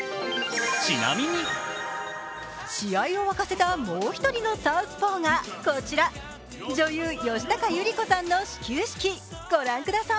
試合を沸かせたもう一人のサウスポーがこちら、女優・吉高由里子さんの始球式、御覧ください。